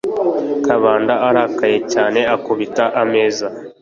kabanda arakaye cyane akubita ameza